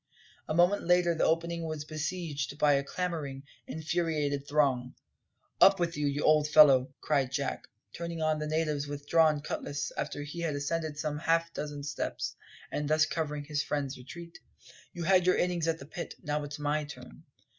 A moment later the opening was besieged by a clamouring, infuriated throng. "Up with you, old fellow!" cried Jack, turning on the natives with drawn cutlass after he had ascended some half dozen steps, and thus covering his friend's retreat. "You had your innings at the pit; now it's my turn."